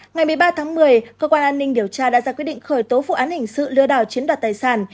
ngày một mươi ba tháng một mươi cơ quan an ninh điều tra đã ra quyết định khởi tố vụ án hình sự lừa đảo chiếm đoạt tài sản